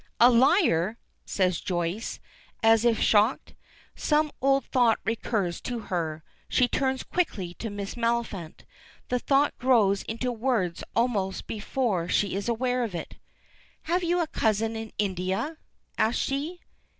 "A liar!" says Joyce, as if shocked. Some old thought recurs to her. She turns quickly to Miss Maliphant. The thought grows into words almost before she is aware of it. "Have you a cousin in India?" asks she.